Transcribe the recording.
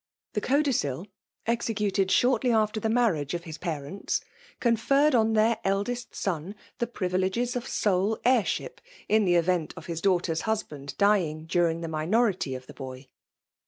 The codicil, osecoted ahortly after the aaamage of his pareirts, confored on their <dde«t son the privileges of sole heiiiUpt HI the eTent of his da»ghter*s husband dying dttriiig the minority of the boy.